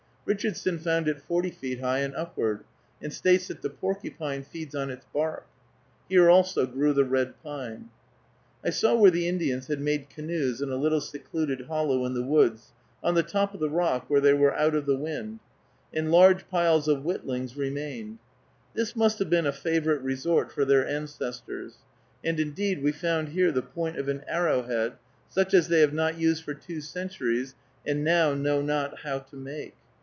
Richardson found it forty feet high and upward, and states that the porcupine feeds on its bark. Here also grew the red pine (Pinus resinosa). I saw where the Indians had made canoes in a little secluded hollow in the woods, on the top of the rock, where they were out of the wind, and large piles of whittlings remained. This must have been a favorite resort for their ancestors, and, indeed, we found here the point of an arrowhead, such as they have not used for two centuries and now know not how to make.